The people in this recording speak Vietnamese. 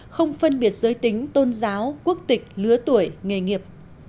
không phân biệt giới tính tôn giáo quốc tịch lứa tuổi nghề nghiệp